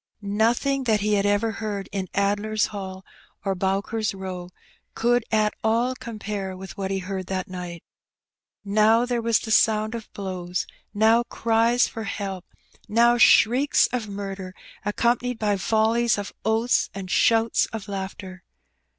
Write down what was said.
' Nothing that he had ever heard in Addler's Hall or Bowker's Row could at all compare with what he heard that night: now there was the sound of blows; now cries for help ; now shrieks of murder, accompanied by volleys of oaths and shouts of laughter.